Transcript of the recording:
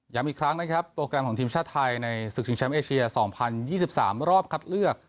ย้ำอีกครั้งนะครับโปรแกรมของทีมชาติไทยในสื่อชังแชมป์เอเชียศองพันยี่สิบสามรอบคัดเลือก